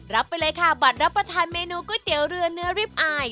ไปเลยค่ะบัตรรับประทานเมนูก๋วยเตี๋ยวเรือเนื้อริบอาย